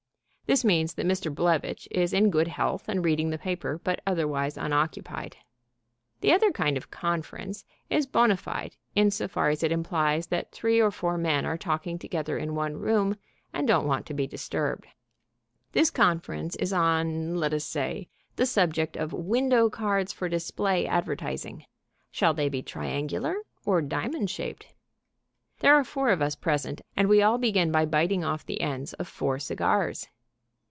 This means that Mr. Blevitch is in good health and reading the paper, but otherwise unoccupied. The other kind of "conference" is bona fide in so far as it implies that three or four men are talking together in one room, and don't want to be disturbed. This conference is on, let us say, the subject of Window Cards for display advertising: shall they be triangular or diamond shaped? There are four of us present, and we all begin by biting off the ends of four cigars.